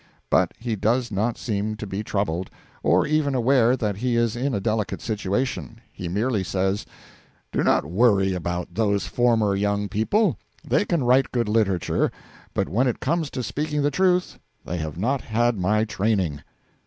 But he does not seem to be troubled, or even aware that he is in a delicate situation. He merely says: 'Do not worry about those former young people. They can write good literature, but when it comes to speaking the truth, they have not had my training.